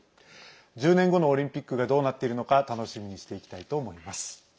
１０年後のオリンピックがどうなっているのか楽しみにしていきたいと思います。